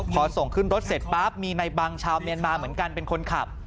พอส่งขึ้นรถเสร็จปั๊บมีในบังชาวเมียนมาเหมือนกันเป็นคนขับ